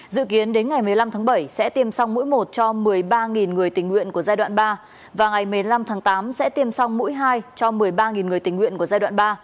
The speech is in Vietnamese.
dự kiến đến ngày một mươi năm tháng bảy sẽ tiêm xong mũi một cho một mươi ba người tình nguyện của giai đoạn ba và ngày một mươi năm tháng tám sẽ tiêm song mũi hai cho một mươi ba người tình nguyện của giai đoạn ba